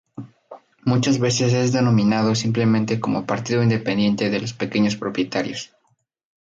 Muchas veces es denominado simplemente como Partido Independiente de los Pequeños Propietarios.